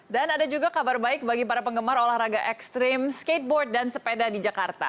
dan ada juga kabar baik bagi para penggemar olahraga ekstrim skateboard dan sepeda di jakarta